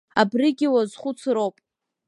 Абригьы уазхәыцроуп.